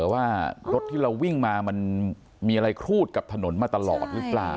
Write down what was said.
ว่ารถที่เราวิ่งมามันมีอะไรครูดกับถนนมาตลอดหรือเปล่า